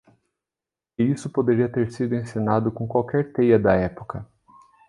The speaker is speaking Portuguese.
E isso poderia ter sido encenado com qualquer teia da época.